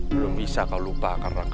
belum bisa kau lupakan murangkawi